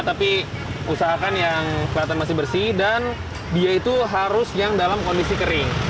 tapi usahakan yang kelihatan masih bersih dan dia itu harus yang dalam kondisi kering